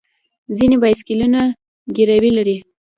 ځینې بایسکلونه ګیرونه لري.